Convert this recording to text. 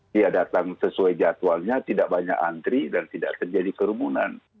dia datang sesuai jadwalnya tidak banyak antri dan tidak terjadi kerumunan